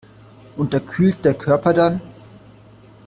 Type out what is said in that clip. Unterkühlt der Körper dann?